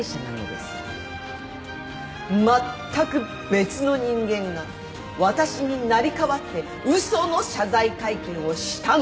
まったく別の人間が私に成り代わって嘘の謝罪会見をしたのです。